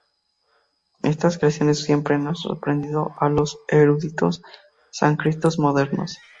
Estas creaciones siempre han sorprendido a los eruditos sánscritos modernos.